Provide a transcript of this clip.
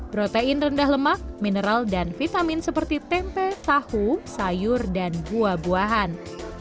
protein rendah lemak mineral dan vitamin seperti tempe tahu sayur dan buah buahan